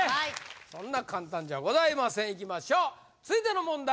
そんな簡単じゃございませんいきましょう続いての問題